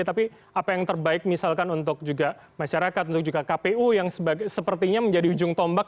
tapi apa yang terbaik misalkan untuk juga masyarakat untuk juga kpu yang sepertinya menjadi ujung tombak